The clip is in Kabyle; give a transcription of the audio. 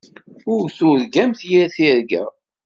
Ur turgamt yir tirga.